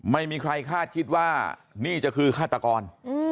ไม่มีใครคาดคิดว่านี่จะคือฆาตกร